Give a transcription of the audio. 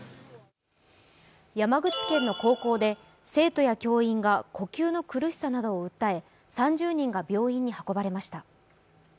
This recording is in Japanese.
山口県の高校で生徒や教員が呼吸の苦しさなどを訴え３０人が病院に運ばれました。